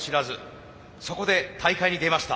そこで大海に出ました。